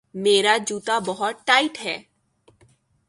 میرا جوتا بہت ٹائٹ ہے